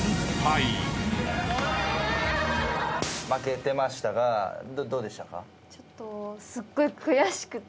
負けてましたがどうでしたか？